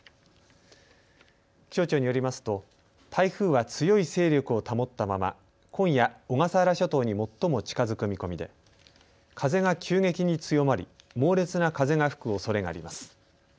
気象庁によりますと台風は強い勢力を保ったまま今夜、小笠原諸島に最も近づく見込みで風が急激に強まり猛烈な風が吹くおそれがあります。